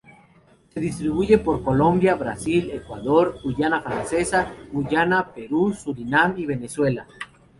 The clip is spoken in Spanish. Se distribuye por Colombia, Brasil, Ecuador, Guayana francesa, Guyana, Perú, Surinam y Venezuela.